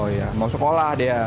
oh ya mau sekolah dia